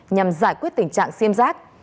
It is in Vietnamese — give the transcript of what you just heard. nhằm giải quyết tình trạng siêm giác